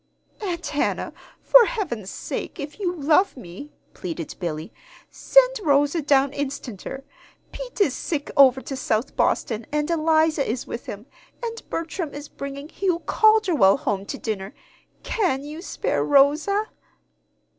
"Aunt Hannah, for heaven's sake, if you love me," pleaded Billy, "send Rosa down instanter! Pete is sick over to South Boston, and Eliza is with him; and Bertram is bringing Hugh Calderwell home to dinner. Can you spare Rosa?"